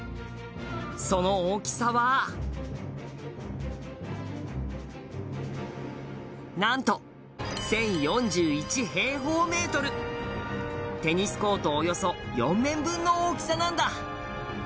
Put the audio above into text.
その大きさはなんと、１０４１平方メートルテニスコートおよそ４面分の大きさなんだ